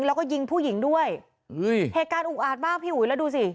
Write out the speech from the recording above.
แล้วก็ยิงผู้หญิงด้วยเหตุการณ์อุกอาจมากพี่อุ๋ยแล้วดูสิ